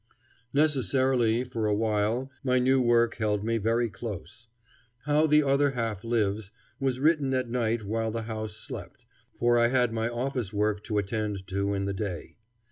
Necessarily, for a while, my new work held me very close. "How the Other Half Lives" was written at night while the house slept, for I had my office work to attend to in the day.